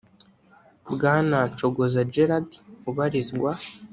bwana nshogoza gérard ubarizwa